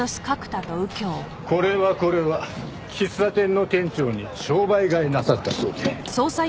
これはこれは喫茶店の店長に商売替えなさったそうで。